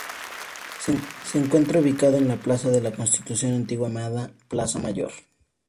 Se encuentra ubicado en la plaza de la Constitución, antiguamente llamada Plaza Mayor.